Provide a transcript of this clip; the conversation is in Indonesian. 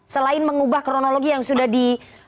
selain mengubah kronologi yang sudah di